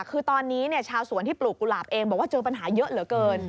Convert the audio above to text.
คือตอนนี้ชาวสวนที่ปลูกกุหลาบเองบอกว่าเจอปัญหาเยอะเหลือเกิน